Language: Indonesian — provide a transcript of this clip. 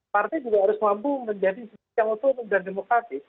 partai juga harus mampu menjadi yang otom dan demokratis